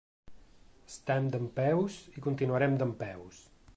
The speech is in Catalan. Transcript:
Estem dempeus i continuarem dempeus.